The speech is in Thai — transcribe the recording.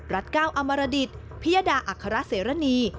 รัฐก้าวอำมารดิษฐ์พิยดาอัคราเสรณี